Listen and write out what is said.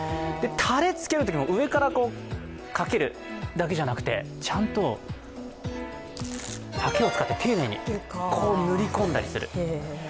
タレつけるときも上からかけるだけじゃなくてちゃんとはけを使って丁寧にぬり込んだりする。